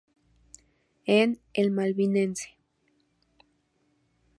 En "El Malvinense".